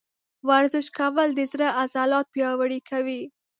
ورزش کول د زړه عضلات پیاوړي کوي.